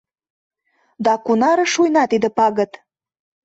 Да кунаре шуйна тиде пагыт —